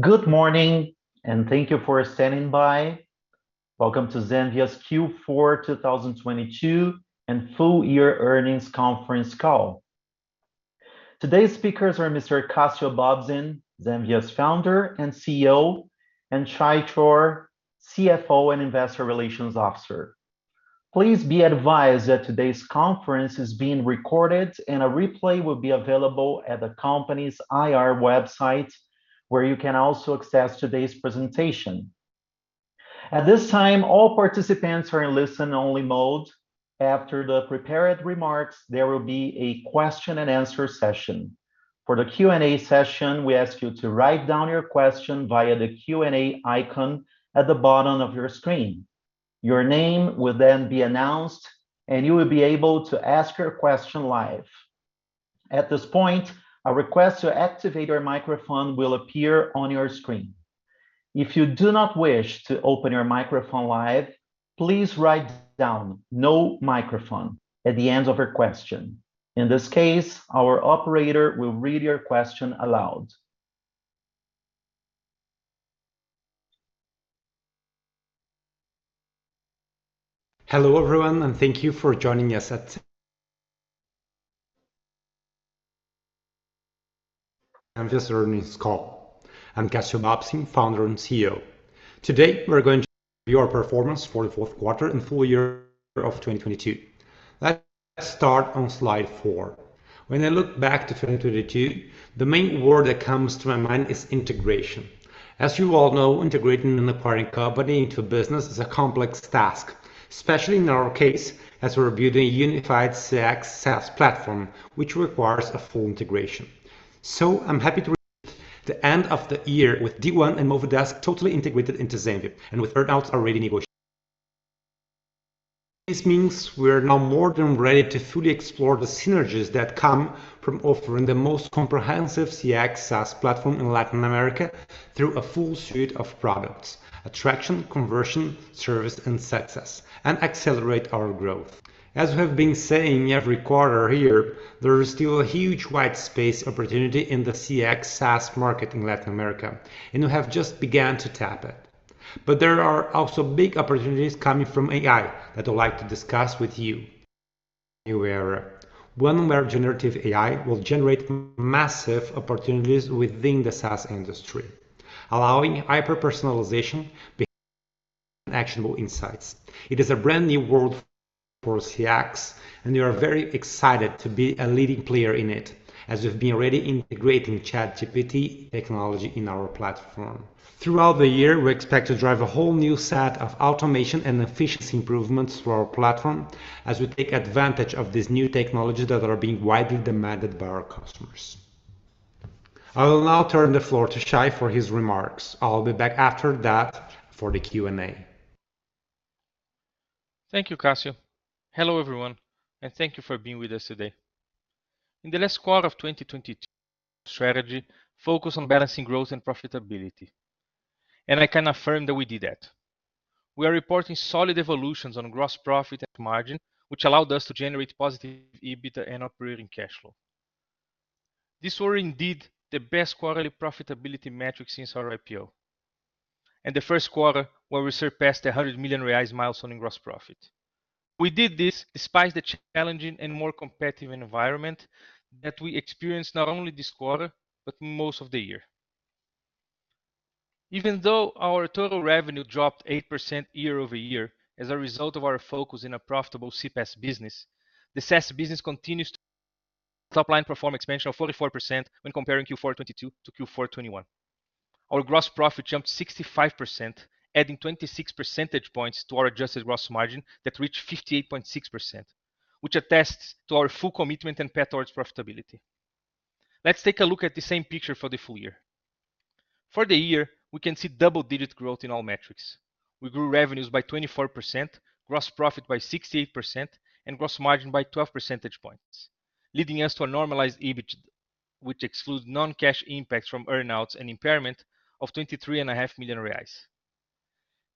Good morning, and thank you for standing by. Welcome to Zenvia Q4 2022 and full year earnings conference call. Today's speakers are Mr. Cassio Bobsin, Zenvia founder and CEO, and Shay Chor, CFO and Investor Relations officer. Please be advised that today's conference is being recorded and a replay will be available at the company's IR website, where you can also access today's presentation. At this time, all participants are in listen-only mode. After the prepared remarks, there will be a question and answer session. For the Q&A session, we ask you to write down your question via the Q&A icon at the bottom of your screen. Your name will then be announced, and you will be able to ask your question live. At this point, a request to activate your microphone will appear on your screen. If you do not wish to open your microphone live, please write down, "No microphone," at the end of your question. In this case, our operator will read your question aloud. Hello, everyone, and thank you for joining us at Zenvia earnings call. I'm Cassio Bobsin, founder and CEO. Today, we're going to review our performance for the fourth quarter and full year of 2022. Let's start on slide 4. When I look back to 2022, the main word that comes to my mind is integration. As you all know, integrating an acquiring company into a business is a complex task, especially in our case, as we're building a unified CX SaaS platform, which requires a full integration. I'm happy to report the end of the year with D1 and Movidesk totally integrated into Zenvia and with earn-outs already negotiated. This means we're now more than ready to fully explore the synergies that come from offering the most comprehensive CX SaaS platform in Latin America through a full suite of products: attraction, conversion, service, and success, and accelerate our growth. As we have been saying every quarter here, there is still a huge white space opportunity in the CX SaaS market in Latin America, and we have just began to tap it. There are also big opportunities coming from AI that I would like to discuss with you. We are one where generative AI will generate massive opportunities within the SaaS industry, allowing hyper-personalization based on actionable insights. It is a brand-new world for CX, and we are very excited to be a leading player in it, as we've been already integrating ChatGPT technology in our platform. Throughout the year, we expect to drive a whole new set of automation and efficiency improvements for our platform as we take advantage of these new technologies that are being widely demanded by our customers. I will now turn the floor to Shay for his remarks. I'll be back after that for the Q&A. Thank you, Cassio. Hello, everyone, and thank you for being with us today. In the last quarter of 2022, our strategy focused on balancing growth and profitability, I can affirm that we did that. We are reporting solid evolutions on gross profit and margin, which allowed us to generate positive EBITDA and operating cash flow. These were indeed the best quarterly profitability metrics since our IPO, the first quarter where we surpassed the 100 million reais milestone in gross profit. We did this despite the challenging and more competitive environment that we experienced not only this quarter, but most of the year. Even though our total revenue dropped 8% year-over-year as a result of our focus in a profitable CPaaS business, the SaaS business continues to top line perform expansion of 44% when comparing Q4 2022 to Q4 2021. Our gross profit jumped 65%, adding 26 percentage points to our adjusted gross margin that reached 58.6%, which attests to our full commitment and path towards profitability. Let's take a look at the same picture for the full year. For the year, we can see double-digit growth in all metrics. We grew revenues by 24%, gross profit by 68%, and gross margin by 12 percentage points, leading us to a normalized EBITDA, which excludes non-cash impacts from earn-outs and impairment of 23 and a half million.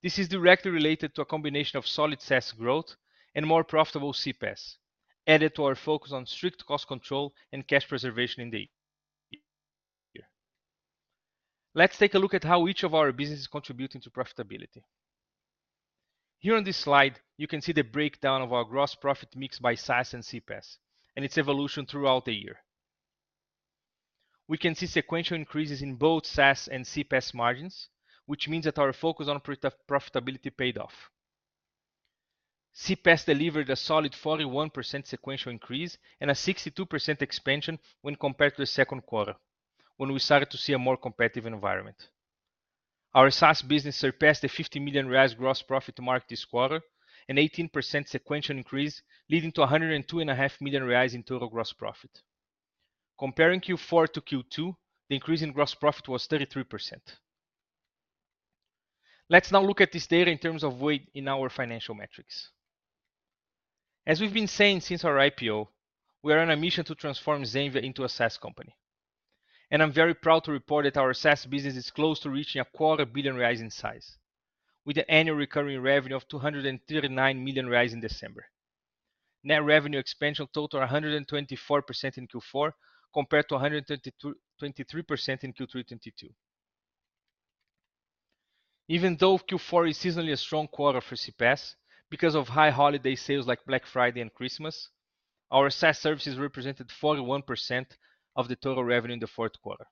This is directly related to a combination of solid SaaS growth and more profitable CPaaS, added to our focus on strict cost control and cash preservation in the year. Let's take a look at how each of our businesses contribute into profitability. Here on this slide, you can see the breakdown of our gross profit mix by SaaS and CPaaS, and its evolution throughout the year. We can see sequential increases in both SaaS and CPaaS margins, which means that our focus on profitability paid off. CPaaS delivered a solid 41% sequential increase and a 62% expansion when compared to the second quarter, when we started to see a more competitive environment. Our SaaS business surpassed the 50 million reais gross profit mark this quarter, an 18% sequential increase, leading to 102 and a half million BRL in total gross profit. Comparing Q4 to Q2, the increase in gross profit was 33%. Let's now look at this data in terms of weight in our financial metrics. As we've been saying since our IPO, we are on a mission to transform Zenvia into a SaaS company, and I'm very proud to report that our SaaS business is close to reaching a quarter billion BRL in size, with an annual recurring revenue of 239 million reais in December. Net revenue expansion total 124% in Q4 compared to 122%-123% in Q3 2022. Even though Q4 is seasonally a strong quarter for CPaaS because of high holiday sales like Black Friday and Christmas, our SaaS services represented 41% of the total revenue in the fourth quarter,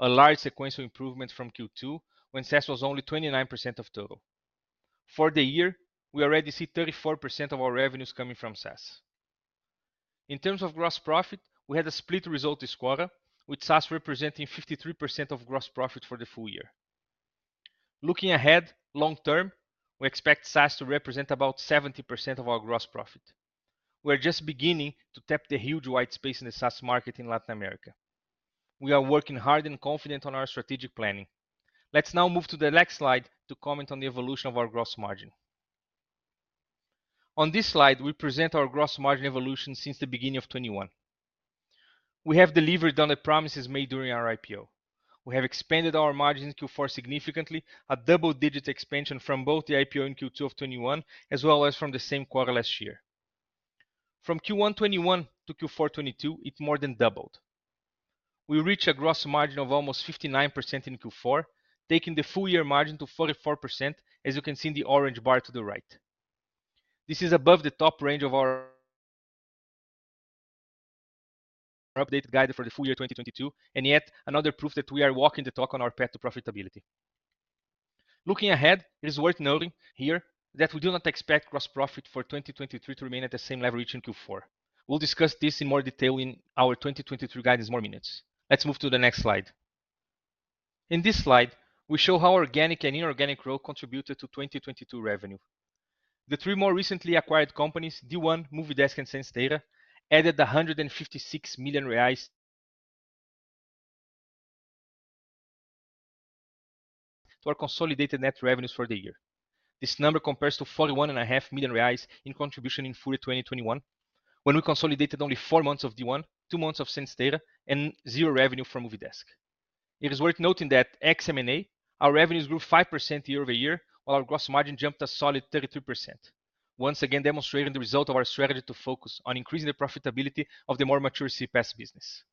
a large sequential improvement from Q2, when SaaS was only 29% of total. For the year, we already see 34% of our revenues coming from SaaS. In terms of gross profit, we had a split result this quarter, with SaaS representing 53% of gross profit for the full year. Looking ahead long term, we expect SaaS to represent about 70% of our gross profit. We're just beginning to tap the huge white space in the SaaS market in Latin America. We are working hard and confident on our strategic planning. Let's now move to the next slide to comment on the evolution of our gross margin. On this slide, we present our gross margin evolution since the beginning of 2021. We have delivered on the promises made during our IPO. We have expanded our margins in Q4 significantly, a double-digit expansion from both the IPO in Q2 of 2021 as well as from the same quarter last year. From Q1 2021 to Q4 2022, it more than doubled. We reached a gross margin of almost 59% in Q4, taking the full year margin to 44% as you can see in the orange bar to the right. This is above the top range of our updated guide for the full year 2022, yet another proof that we are walking the talk on our path to profitability. Looking ahead, it is worth noting here that we do not expect gross profit for 2023 to remain at the same level reached in Q4. We'll discuss this in more detail in our 2023 guidance in more minutes. Let's move to the next slide. In this slide, we show how organic and inorganic growth contributed to 2022 revenue. The three more recently acquired companies, D1, Movidesk, and SenseData, added BRL 156 million to our consolidated net revenues for the year. This number compares to 41.5 million reais in contribution in full year 2021, when we consolidated only four months of D1, two months of SenseData, and zero revenue from Movidesk. It is worth noting that ex M&A, our revenues grew 5% year-over-year, while our gross margin jumped a solid 33%, once again demonstrating the result of our strategy to focus on increasing the profitability of the more mature CPaaS business.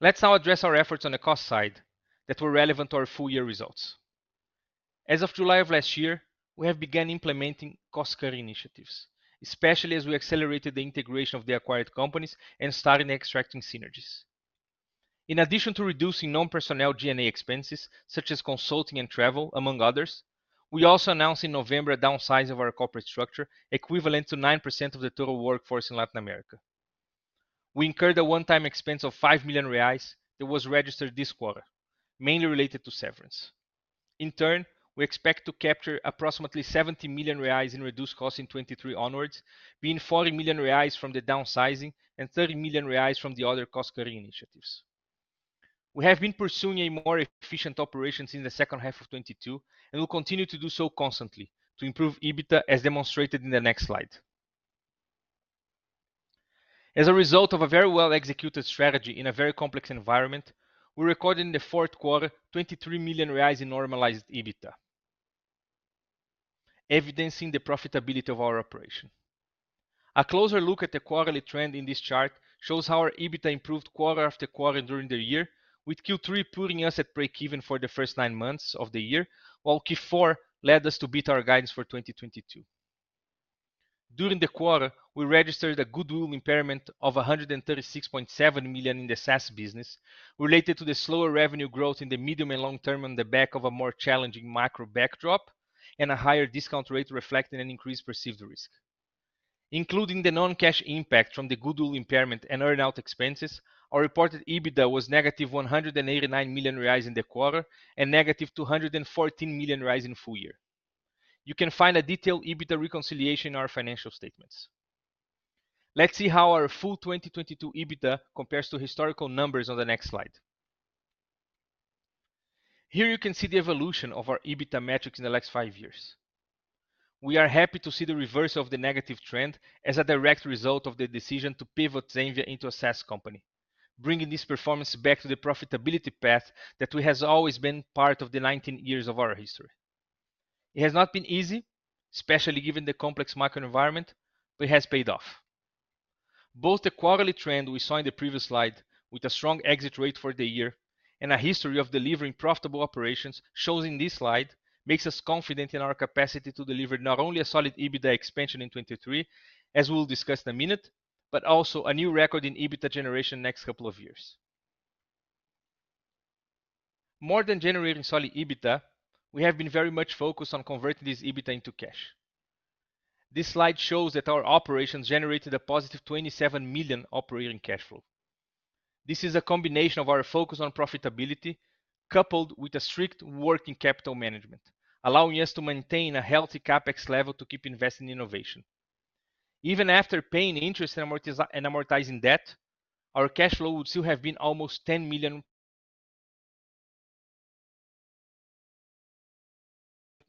Let's now address our efforts on the cost side that were relevant to our full year results. As of July of last year, we have begun implementing cost-cutting initiatives, especially as we accelerated the integration of the acquired companies and started extracting synergies. In addition to reducing non-personnel G&A expenses, such as consulting and travel, among others, we also announced in November a downsize of our corporate structure equivalent to 9% of the total workforce in Latin America. We incurred a one-time expense of 5 million reais that was registered this quarter, mainly related to severance. In turn, we expect to capture approximately 70 million reais in reduced cost in 2023 onwards, being 40 million reais from the downsizing and 30 million reais from the other cost-cutting initiatives. We have been pursuing a more efficient operation since the second half of 2022 and will continue to do so constantly to improve EBITDA as demonstrated in the next slide. As a result of a very well executed strategy in a very complex environment, we recorded in the fourth quarter 23 million reais in normalized EBITDA, evidencing the profitability of our operation. A closer look at the quarterly trend in this chart shows how our EBITDA improved quarter after quarter during the year, with Q3 putting us at breakeven for the first nine months of the year. Q4 led us to beat our guidance for 2022. During the quarter, we registered a goodwill impairment of 136.7 million in the SaaS business related to the slower revenue growth in the medium and long term on the back of a more challenging macro backdrop and a higher discount rate reflecting an increased perceived risk. Including the non-cash impact from the goodwill impairment and earn-out expenses, our reported EBITDA was negative 189 million reais in the quarter and negative 214 million reais in full year. You can find a detailed EBITDA reconciliation in our financial statements. Let's see how our full 2022 EBITDA compares to historical numbers on the next slide. Here you can see the evolution of our EBITDA metrics in the last five years. We are happy to see the reverse of the negative trend as a direct result of the decision to pivot Zenvia into a SaaS company, bringing this performance back to the profitability path that has always been part of the 19 years of our history. It has not been easy, especially given the complex macro environment. It has paid off. Both the quarterly trend we saw in the previous slide with a strong exit rate for the year and a history of delivering profitable operations shown in this slide makes us confident in our capacity to deliver not only a solid EBITDA expansion in 23, as we'll discuss in a minute, but also a new record in EBITDA generation the next couple of years. More than generating solid EBITDA, we have been very much focused on converting this EBITDA into cash. This slide shows that our operations generated a positive 27 million operating cash flow. This is a combination of our focus on profitability coupled with a strict working capital management, allowing us to maintain a healthy CapEx level to keep investing in innovation. Even after paying interest and amortizing debt, our cash flow would still have been almost 10 million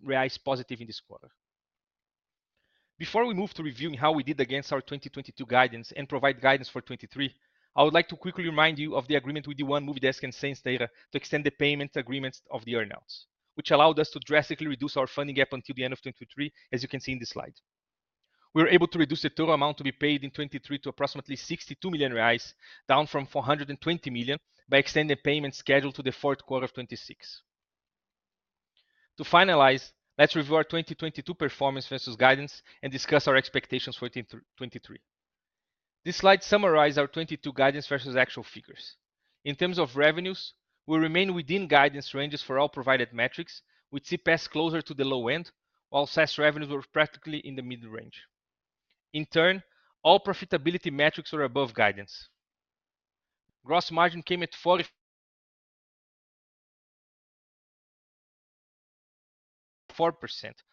reais positive in this quarter. Before we move to reviewing how we did against our 2022 guidance and provide guidance for 2023, I would like to quickly remind you of the agreement with D1, Movidesk, and SenseData to extend the payment agreements of the earn-outs, which allowed us to drastically reduce our funding gap until the end of 2023, as you can see in this slide. We were able to reduce the total amount to be paid in 2023 to approximately 62 million reais, down from 420 million by extending payment schedule to the fourth quarter of 2026. To finalize, let's review our 2022 performance versus guidance and discuss our expectations for 2023. This slide summarizes our 2022 guidance versus actual figures. In terms of revenues, we remain within guidance ranges for all provided metrics, with CPaaS closer to the low end, while SaaS revenues were practically in the mid-range. In turn, all profitability metrics were above guidance. Gross margin came at 40%,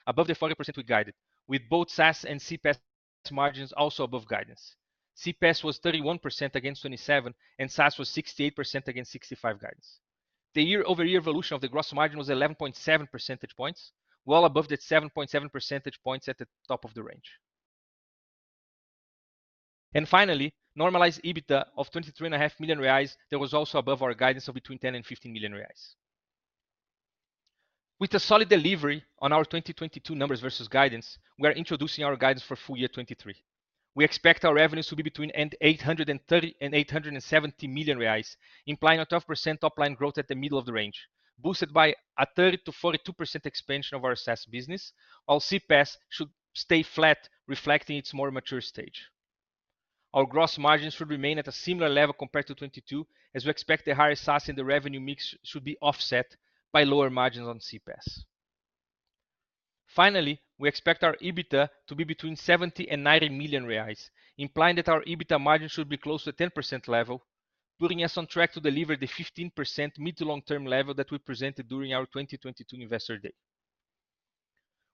above the 40% we guided, with both SaaS and CPaaS margins also above guidance. CPaaS was 31% against 27%, and SaaS was 68% against 65% guidance. The year-over-year evolution of the gross margin was 11.7 percentage points, well above that 7.7 percentage points at the top of the range. Finally, normalized EBITDA of 23.5 million reais that was also above our guidance of between 10 million-15 million reais. With a solid delivery on our 2022 numbers versus guidance, we are introducing our guidance for full year 2023. We expect our revenues to be between 830 million and 870 million reais, implying a 12% top line growth at the middle of the range, boosted by a 30%-42% expansion of our SaaS business, while CPaaS should stay flat, reflecting its more mature stage. Our gross margins should remain at a similar level compared to 2022, as we expect the higher SaaS in the revenue mix should be offset by lower margins on CPaaS. Finally, we expect our EBITDA to be between 70 million and 90 million reais, implying that our EBITDA margin should be close to the 10% level, putting us on track to deliver the 15% mid to long term level that we presented during our 2022 Investor Day.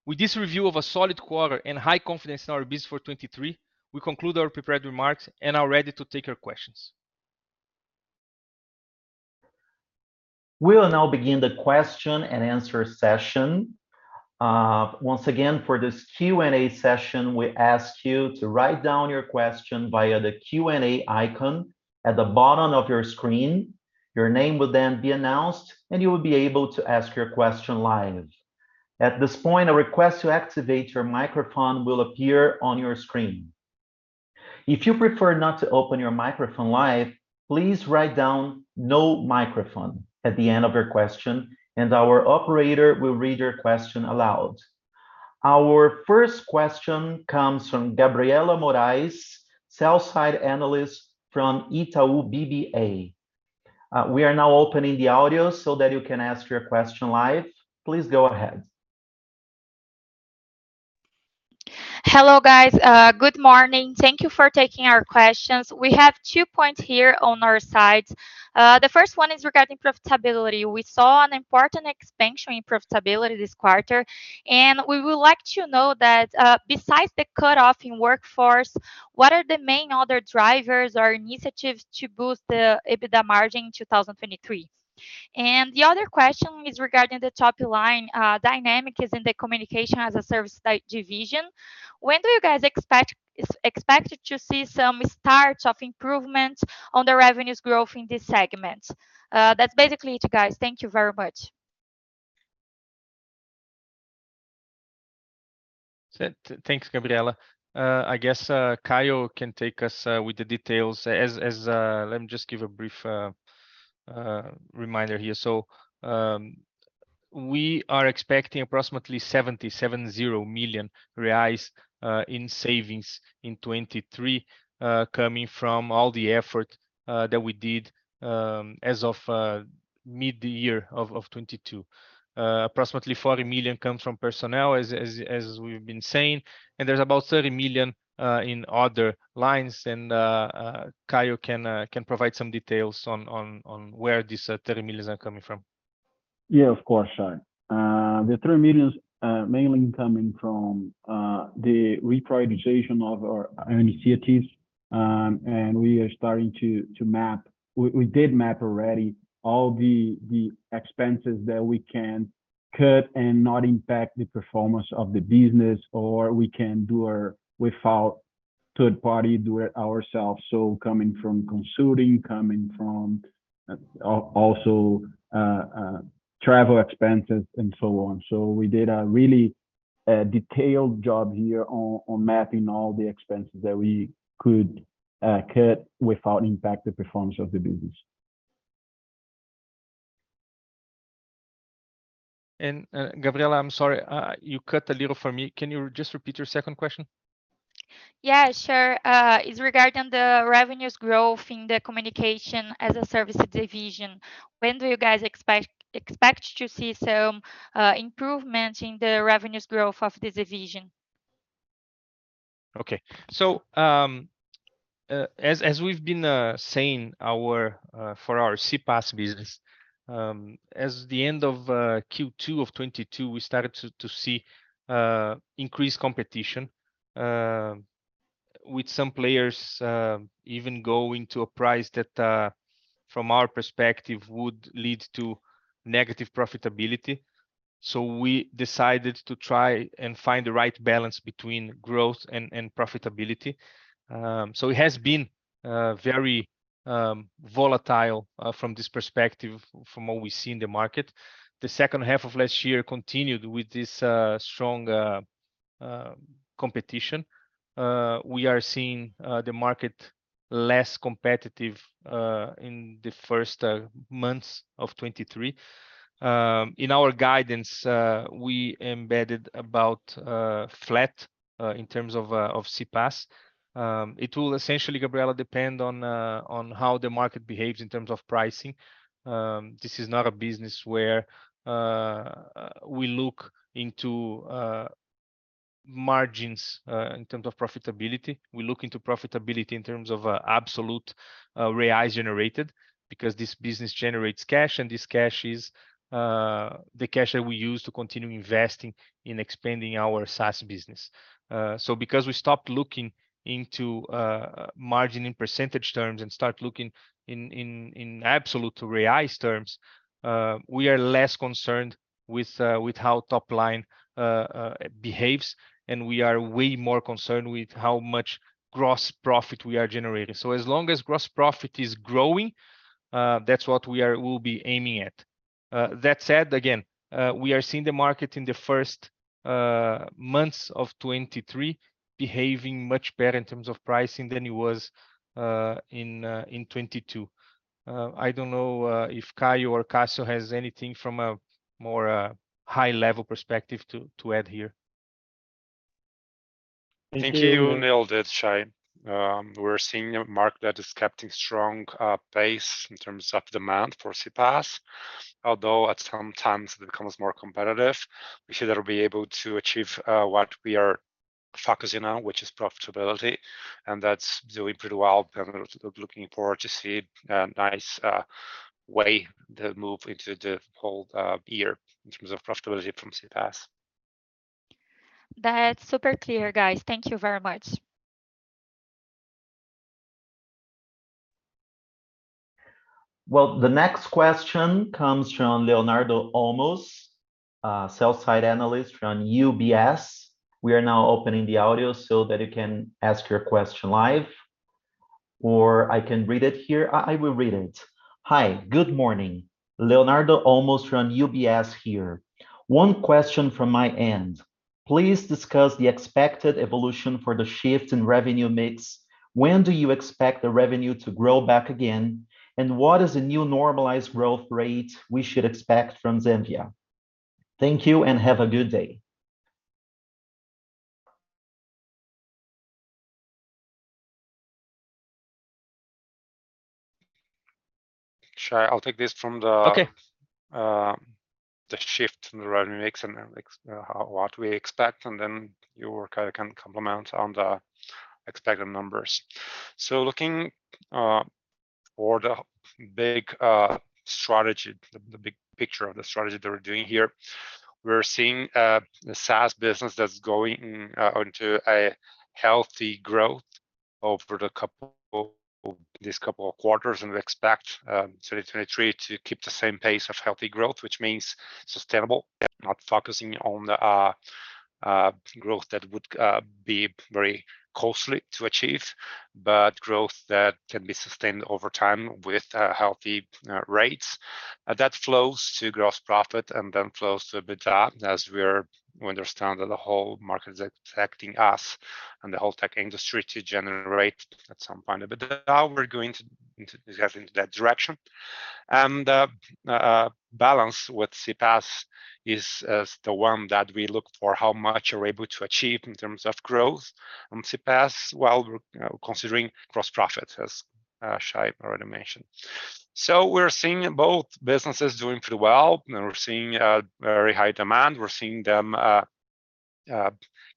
With this review of a solid quarter and high confidence in our business for 2023, we conclude our prepared remarks and are ready to take your questions. We will now begin the question and answer session. Once again, for this Q&A session, we ask you to write down your question via the Q&A icon at the bottom of your screen. Your name will then be announced, and you will be able to ask your question live. At this point, a request to activate your microphone will appear on your screen. If you prefer not to open your microphone live, please write down "no microphone" at the end of your question, and our operator will read your question aloud. Our first question comes from Gabriela Morais, sell-side analyst from Itaú BBA. We are now opening the audio so that you can ask your question live. Please go ahead. Hello, guys. Good morning. Thank you for taking our questions. We have two points here on our side. The first one is regarding profitability. We saw an important expansion in profitability this quarter, and we would like to know that, besides the cutoff in workforce, what are the main other drivers or initiatives to boost the EBITDA margin in 2023? The other question is regarding the top line dynamics in the communication as a service division. When do you guys expect to see some start of improvement on the revenues growth in this segment? That's basically it, guys. Thank you very much. Set. Thanks, Gabriela. I guess Caio can take us with the details. Let me just give a brief reminder here. We are expecting approximately 70 million reais in savings in 2023, coming from all the effort that we did as of mid-year of 2022. Approximately 40 million comes from personnel, as we've been saying, and there's about 30 million in other lines. Caio can provide some details on where these 30 million are coming from. Yeah, of course, Shay. The 30 million mainly coming from the reprioritization of our initiatives. We are starting to map. We did map already all the expenses that we can cut and not impact the performance of the business, or we can do without third party, do it ourselves. Coming from consulting, coming from also travel expenses and so on. We did a really detailed job here on mapping all the expenses that we could cut without impact the performance of the business. Gabriela, I'm sorry, you cut a little for me. Can you just repeat your second question? Yeah, sure. It's regarding the revenues growth in the communication as a service division. When do you guys expect to see some improvement in the revenues growth of this division? Okay. As we've been saying, for our CPaaS business, as the end of Q2 of 2022, we started to see increased competition with some players even going to a price that from our perspective would lead to negative profitability. We decided to try and find the right balance between growth and profitability. It has been very volatile from this perspective from what we see in the market. The second half of last year continued with this strong competition. We are seeing the market less competitive in the first months of 2023. In our guidance, we embedded about flat in terms of CPaaS. It will essentially, Gabriela, depend on how the market behaves in terms of pricing. This is not a business where we look into margins in terms of profitability. We look into profitability in terms of absolute reais generated because this business generates cash, and this cash is the cash that we use to continue investing in expanding our SaaS business. Because we stopped looking into margin in percentage terms and start looking in absolute reais terms, we are less concerned with how top line behaves, and we are way more concerned with how much gross profit we are generating. As long as gross profit is growing, that's what we'll be aiming at. That said, again, we are seeing the market in the first months of 2023 behaving much better in terms of pricing than it was in 2022. I don't know if Caio or Cassio has anything from a more high level perspective to add here. I think you nailed it, Shay. We're seeing a market that is keeping strong pace in terms of demand for CPaaS, although at some times it becomes more competitive. We should be able to achieve what we are focusing on, which is profitability, and that's doing pretty well. Looking forward to see a nice way to move into the whole year in terms of profitability from CPaaS. That's super clear, guys. Thank you very much. Well, the next question comes from Leonardo Olmos, sell-side analyst from UBS. We are now opening the audio so that you can ask your question live, or I can read it here. I will read it. Hi, good morning. Leonardo Olmos from UBS here. One question from my end. Please discuss the expected evolution for the shift in revenue mix. When do you expect the revenue to grow back again? What is the new normalized growth rate we should expect from Zenvia? Thank you. Have a good day. Shay, I'll take this from. Okay. The shift in the revenue mix and then, like, how, what we expect, and then you or Caio can complement on the expected numbers. Looking for the big strategy, the big picture of the strategy that we're doing here, we're seeing the SaaS business that's going onto a healthy growth over these couple of quarters. We expect 2023 to keep the same pace of healthy growth, which means sustainable and not focusing on the growth that would be very costly to achieve, but growth that can be sustained over time with healthy rates. That flows to gross profit and then flows to EBITDA, as we understand that the whole market is expecting us and the whole tech industry to generate at some point. How we're going into that direction, balance with CPaaS is the one that we look for, how much we're able to achieve in terms of growth on CPaaS while we're, you know, considering gross profit, as Shay already mentioned. We're seeing both businesses doing pretty well, and we're seeing very high demand. We're seeing them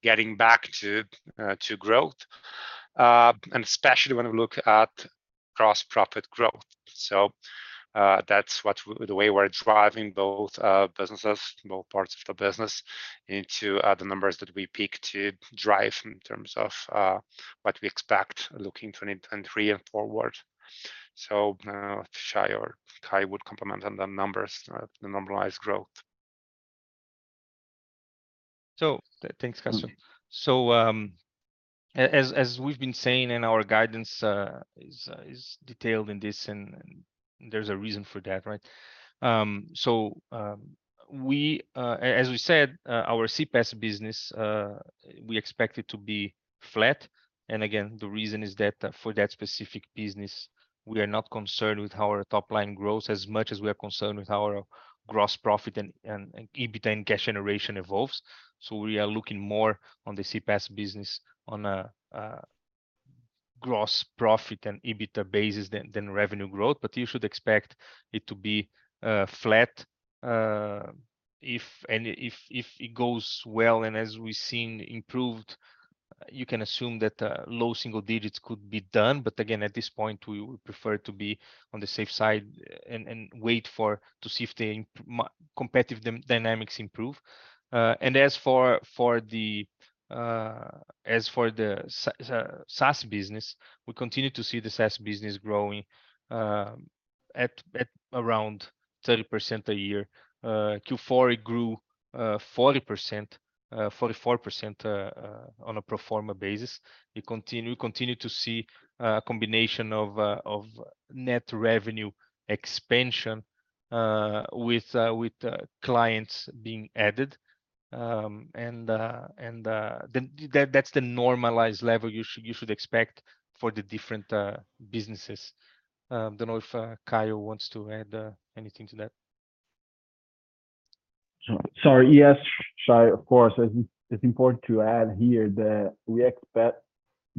getting back to growth, and especially when we look at gross profit growth. That's the way we're driving both parts of the business into the numbers that we pick to drive in terms of what we expect looking 2023 and forward. Shay or Caio would complement on the numbers, the normalized growth. Thanks, Cassio. As we've been saying, and our guidance is detailed in this, and there's a reason for that, right? We, as we said, our CPaaS business, we expect it to be flat. Again, the reason is that for that specific business, we are not concerned with how our top-line grows as much as we are concerned with how our gross profit and EBITDA and cash generation evolves. We are looking more on the CPaaS business on a gross profit and EBITDA basis than revenue growth. You should expect it to be flat. If it goes well, and as we've seen improved, you can assume that low single digits could be done. Again, at this point, we would prefer to be on the safe side and wait to see if the competitive dynamics improve. As for the SaaS business, we continue to see the SaaS business growing at around 30% a year. Q4 it grew 40%, 44% on a pro forma basis. We continue to see a combination of net revenue expansion with clients being added. That's the normalized level you should expect for the different businesses. Don't know if Caio wants to add anything to that. Sorry. Yes, Shay, of course. It's important to add here that we expect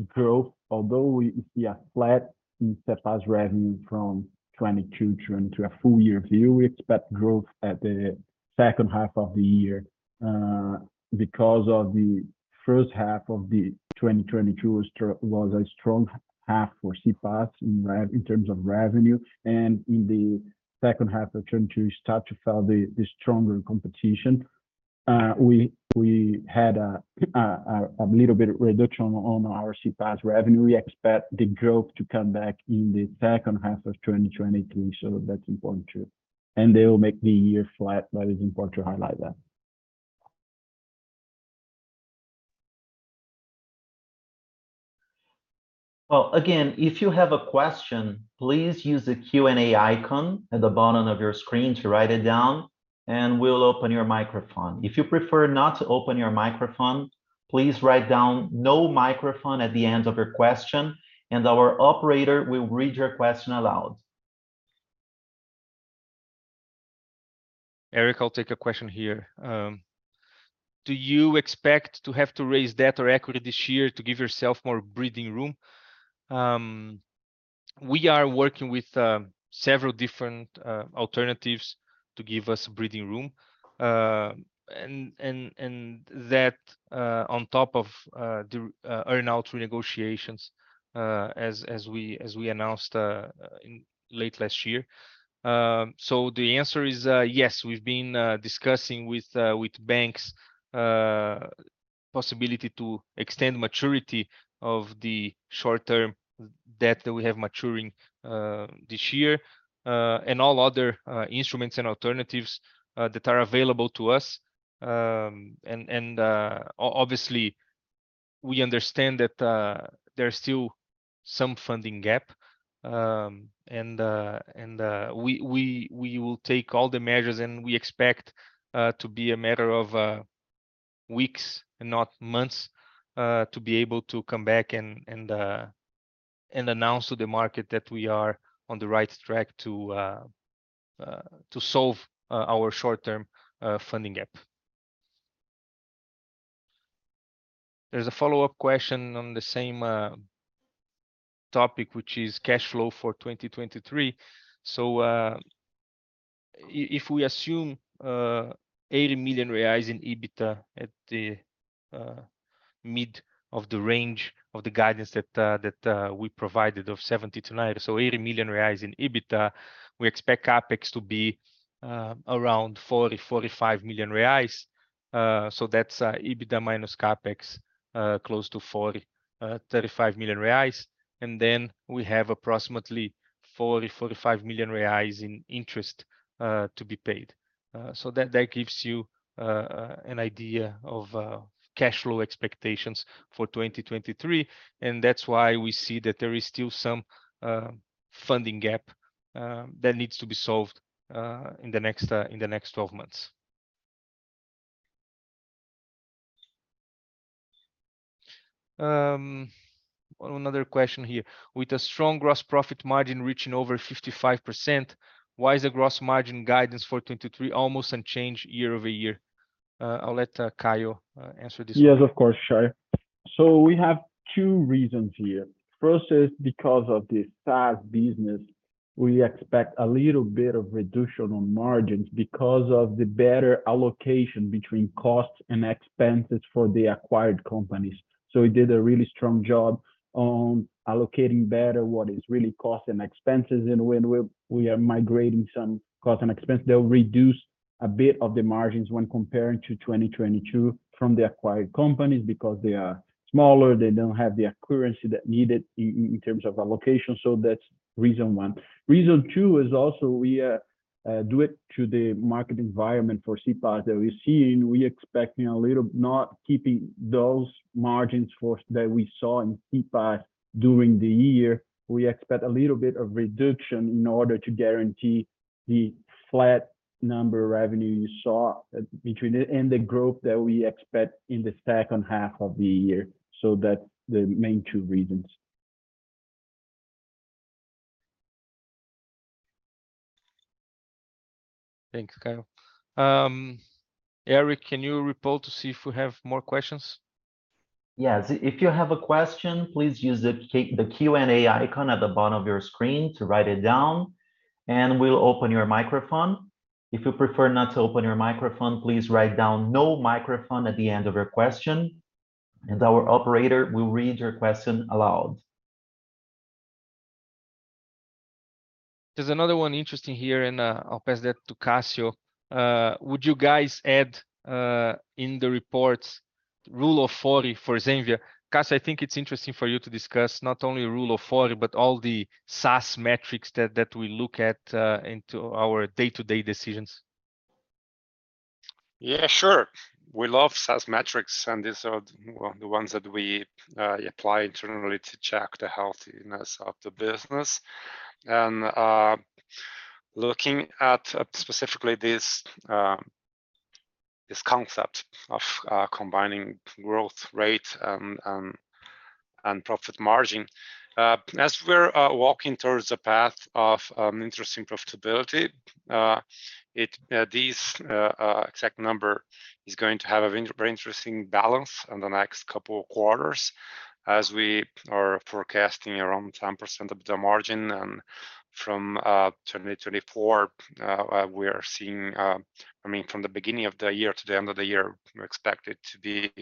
growth, although we see a flat in CPaaS revenue from 2022 to a full year view. We expect growth at the second half of the year because the first half of 2022 was a strong half for CPaaS in terms of revenue. In the second half of 2022, we start to feel the stronger competition. We had a little bit of reduction on our CPaaS revenue. We expect the growth to come back in the second half of 2023. That's important too. They will make the year flat, but it's important to highlight that. Well, again, if you have a question, please use the Q&A icon at the bottom of your screen to write it down. We'll open your microphone. If you prefer not to open your microphone, please write down "no microphone" at the end of your question. Our operator will read your question aloud. Eric, I'll take a question here. Do you expect to have to raise debt or equity this year to give yourself more breathing room? We are working with several different alternatives to give us breathing room. That on top of the earn out renegotiations, as we announced late last year. The answer is yes. We've been discussing with banks, possibility to extend maturity of the short-term debt that we have maturing this year, and all other instruments and alternatives that are available to us. Obviously, we understand that there is still some funding gap. We will take all the measures, and we expect to be a matter of weeks and not months, to be able to come back and announce to the market that we are on the right track to solve our short-term funding gap. There's a follow-up question on the same topic, which is cash flow for 2023. If we assume 80 million reais in EBITDA at the mid of the range of the guidance that we provided of 70-90, 80 million reais in EBITDA. We expect CapEx to be around 40-45 million reais. That's EBITDA minus CapEx, close to 40-35 million reais. Then we have approximately 40 million-45 million reais in interest to be paid. That gives you an idea of cash flow expectations for 2023, and that's why we see that there is still some funding gap that needs to be solved in the next 12 months. Another question here: with a strong gross profit margin reaching over 55%, why is the gross margin guidance for 2023 almost unchanged year-over-year? I'll let Caio answer this one. Yes, of course, Shay. We have two reasons here. First is because of the SaaS business. We expect a little bit of reduction on margins because of the better allocation between costs and expenses for the acquired companies. We did a really strong job on allocating better what is really cost and expenses. When we are migrating some cost and expense, they'll reduce a bit of the margins when comparing to 2022 from the acquired companies because they are smaller, they don't have the accuracy that needed in terms of allocation. That's reason one. Reason two is also we due it to the market environment for CPaaS that we're seeing, we're expecting Not keeping those margins that we saw in CPaaS during the year. We expect a little bit of reduction in order to guarantee the flat number revenue you saw between it and the growth that we expect in the second half of the year. That the main two reasons. Thanks, Caio. Eric, can you report to see if we have more questions? Yes. If you have a question, please use the Q&A icon at the bottom of your screen to write it down, and we'll open your microphone. If you prefer not to open your microphone, please write down "no microphone" at the end of your question, and our operator will read your question aloud. There's another one interesting here, and I'll pass that to Cassio. Would you guys add in the reports Rule of 40 for Zenvia. Cassio, I think it's interesting for you to discuss not only Rule of 40, but all the SaaS metrics that we look at into our day-to-day decisions. Yeah, sure. We love SaaS metrics, these are the, well, the ones that we apply internally to check the healthiness of the business. Looking at specifically this concept of combining growth rate and profit margin. As we're walking towards the path of interesting profitability, this exact number is going to have a very interesting balance in the next couple quarters as we are forecasting around 10% of the margin. From 2024, we are seeing, I mean, from the beginning of the year to the end of the year, we expect it to be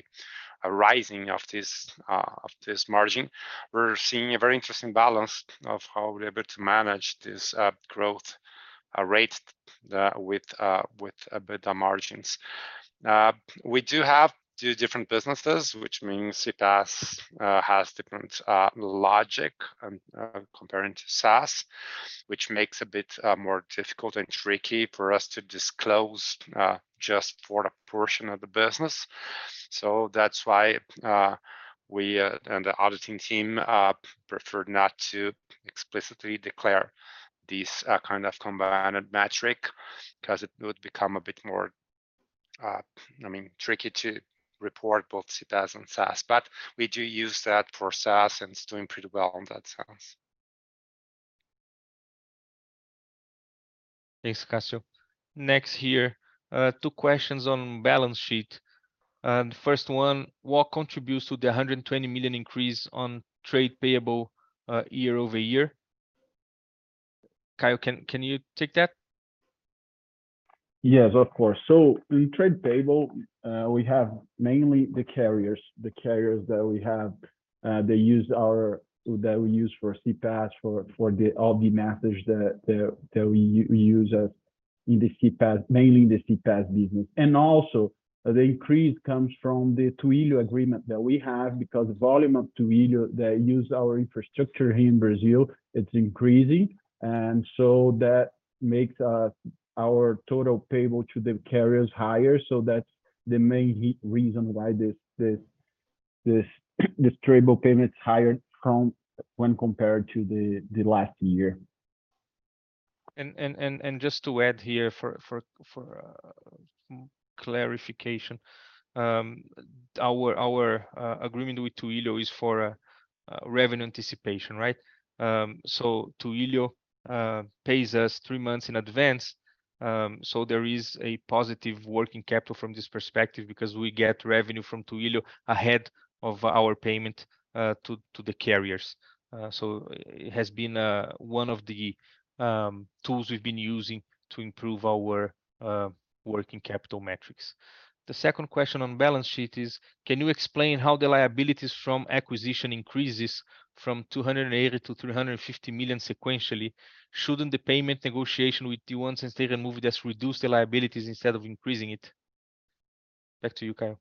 a rising of this margin. We're seeing a very interesting balance of how we're able to manage this growth rate with a bit of margins. We do have two different businesses, which means CPaaS has different logic comparing to SaaS, which makes a bit more difficult and tricky for us to disclose just for a portion of the business. That's why we and the auditing team prefer not to explicitly declare this kind of combined metric ’cause it would become a bit more, I mean, tricky to report both CPaaS and SaaS. We do use that for SaaS, and it's doing pretty well in that sense. Thanks, Cassio. Next here, two questions on balance sheet. First one, what contributes to the 120 million increase on trade payable, year-over-year? Caio, can you take that? Yes, of course. In trade payable, we have mainly the carriers. The carriers that we have, they use our that we use for CPaaS for the all the message that we use as in the CPaaS, mainly in the CPaaS business. Also the increase comes from the Twilio agreement that we have because volume of Twilio that use our infrastructure here in Brazil, it's increasing. That makes our total payable to the carriers higher. That's the main reason why this trade payable higher from when compared to the last year. Just to add here for clarification, our agreement with Twilio is for revenue anticipation, right? Twilio pays us three months in advance, so there is a positive working capital from this perspective because we get revenue from Twilio ahead of our payment to the carriers. It has been one of the tools we've been using to improve our working capital metrics. The second question on balance sheet is: can you explain how the liabilities from acquisition increases from 280 million to 350 million sequentially? Shouldn't the payment negotiation with the One Sense Data and Movidesk reduce the liabilities instead of increasing it? Back to you, Caio.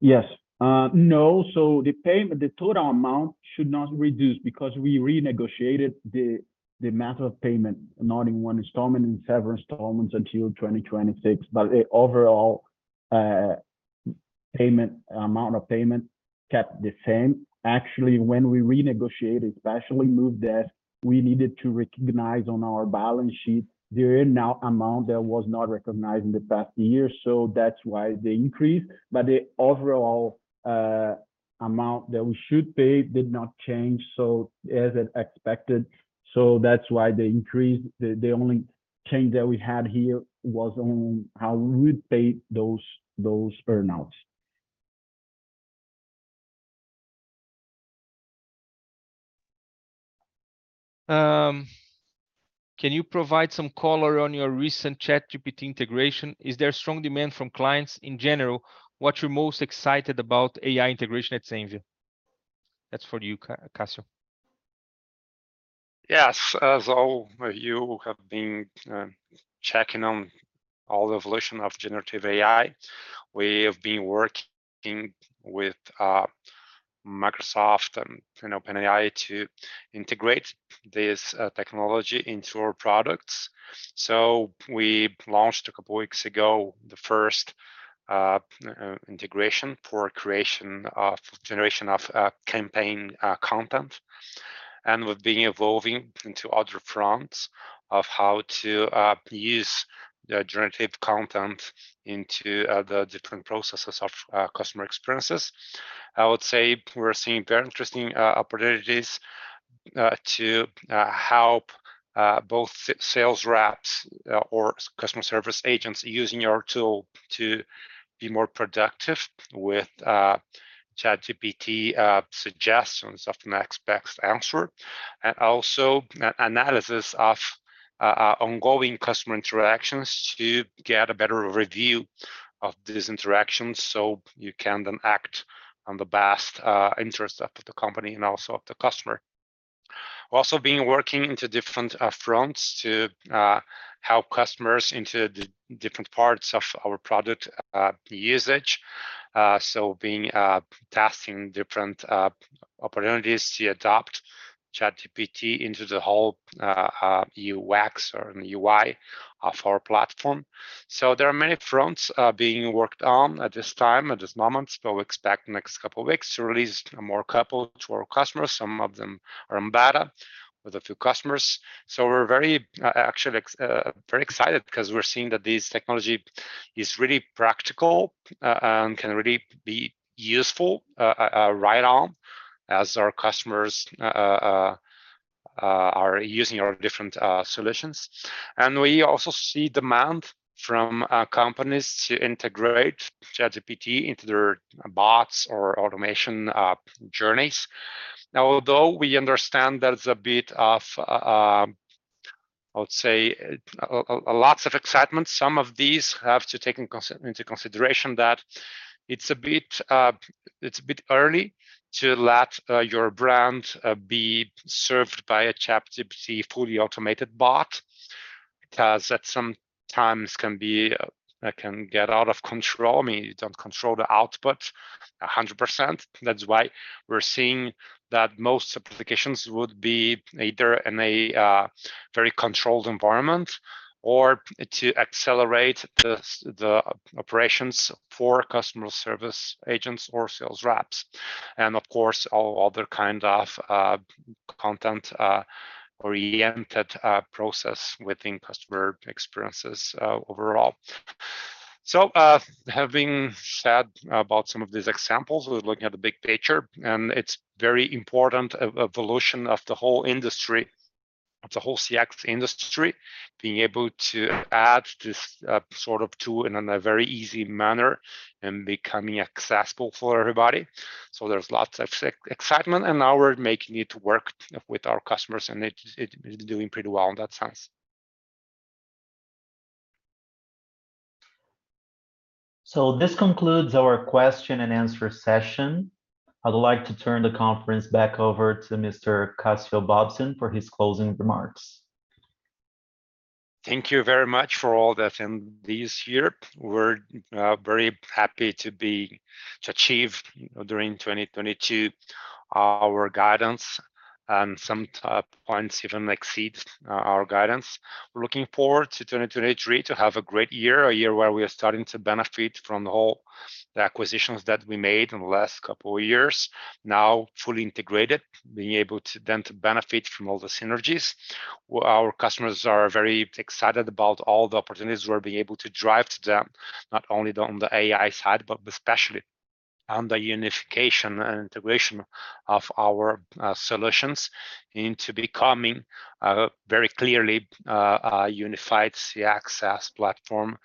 Yes. No. The payment, the total amount should not reduce because we renegotiated the method of payment, not in one installment, in several installments until 2026. The overall payment, amount of payment kept the same. Actually, when we renegotiated, especially Movidesk, we needed to recognize on our balance sheet the amount that was not recognized in the past years. That's why the increase. The overall amount that we should pay did not change, so as expected. That's why the increase. The only change that we had here was on how we pay those earn-outs. Can you provide some color on your recent ChatGPT integration? Is there strong demand from clients? In general, what you're most excited about AI integration at Zenvia? That's for you, Cassio. Yes. As all of you have been checking on all the evolution of generative AI, we have been working with Microsoft and, you know, OpenAI to integrate this technology into our products. We launched a couple weeks ago the first integration for creation of, generation of, campaign content, and we've been evolving into other fronts of how to use the generative content into the different processes of customer experiences. I would say we're seeing very interesting opportunities to help both sales reps or customer service agents using our tool to be more productive with ChatGPT suggestions of next best answer, and also analysis of ongoing customer interactions to get a better review of these interactions so you can then act on the best interest of the company and also of the customer. Been working into different fronts to help customers into the different parts of our product usage. Being testing different opportunities to adopt ChatGPT into the whole UX or UI of our platform. There are many fronts being worked on at this time, at this moment, but we expect next couple weeks to release more couple to our customers. Some of them are in beta with a few customers. We're very actually very excited 'cause we're seeing that this technology is really practical and can really be useful right on as our customers are using our different solutions. We also see demand from companies to integrate ChatGPT into their bots or automation journeys. Although we understand there's a bit of I would say a lots of excitement, some of these have to take into consideration that it's a bit it's a bit early to let your brand be served by a ChatGPT fully automated bot 'cause at some times can be can get out of control. I mean, you don't control the output 100%. That's why we're seeing that most applications would be either in a very controlled environment or to accelerate the operations for customer service agents or sales reps and, of course, all other kind of content oriented process within customer experiences overall. Having said about some of these examples, we're looking at the big picture, and it's very important evolution of the whole industry, the whole CX industry, being able to add this sort of tool in a very easy manner and becoming accessible for everybody. There's lots of excitement, and now we're making it work with our customers, and it's doing pretty well in that sense. This concludes our Q&A session. I'd like to turn the conference back over to Mr. Cassio Bobsin for his closing remarks. Thank you very much for all that. This year, we're very happy to achieve, during 2022, our guidance, and some top points even exceeds our guidance. We're looking forward to 2023 to have a great year, a year where we are starting to benefit from all the acquisitions that we made in the last couple of years. Now fully integrated, being able to then to benefit from all the synergies. Our customers are very excited about all the opportunities we're being able to drive to them, not only on the AI side, but especially on the unification and integration of our solutions into becoming very clearly a unified CXaaS platform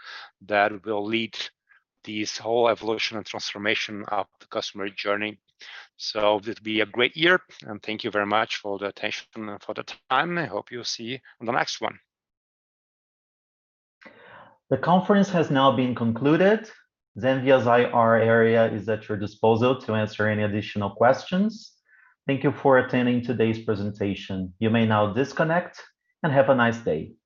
that will lead this whole evolution and transformation of the customer journey. It will be a great year, and thank you very much for the attention and for the time. I hope you'll see on the next one. The conference has now been concluded. Zenvia IR area is at your disposal to answer any additional questions. Thank you for attending today's presentation. You may now disconnect, and have a nice day.